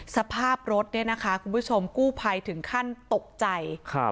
สภาพรถนี้คุณผู้ชมกู้ภัยถึงขั้นตกใจ